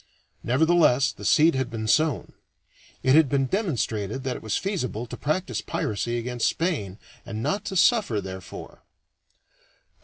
Nevertheless, the seed had been sown; it had been demonstrated that it was feasible to practice piracy against Spain and not to suffer therefor.